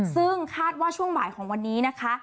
ซึ่งคาดว่าช่วงบ่ายของวันนี้นะคะ